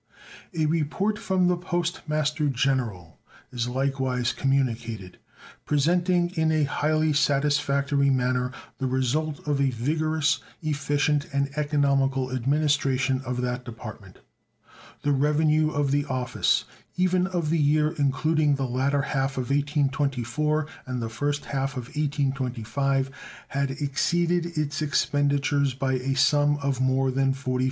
A report from the Post Master General is likewise communicated, presenting in a highly satisfactory manner the result of a vigorous, efficient, and economical administration of that Department. The revenue of the office, even of the year including the latter half of 1824 and the first half of 1825, had exceeded its expenditures by a sum of more than $45,000.